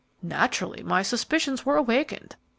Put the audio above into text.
Naturally, my suspicions were awakened.